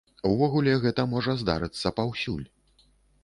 Увогуле гэта можа здарыцца паўсюль.